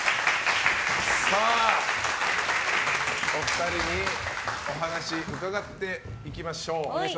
お二人にお話を伺っていきましょう。